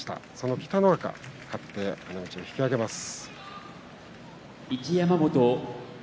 北の若、勝って花道を引き揚げます。